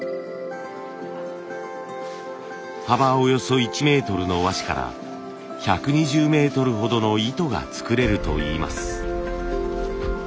幅およそ１メートルの和紙から１２０メートルほどの糸が作れるといいます。